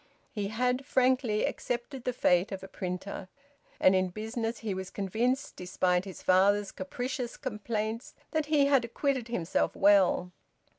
He had frankly accepted the fate of a printer. And in business he was convinced, despite his father's capricious complaints, that he had acquitted himself well.